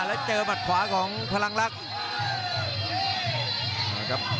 และเจอบัตรขวาของพลังลักษณ์